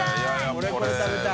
俺これ食べたい。